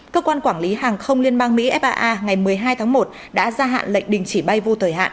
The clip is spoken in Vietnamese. cơ quan quản lý hàng không liên bang mỹ faa ngày một mươi hai tháng một đã gia hạn lệnh đình chỉ bay vô thời hạn